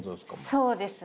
そうですね。